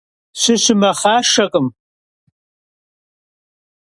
Сыщымэхъашэкъым.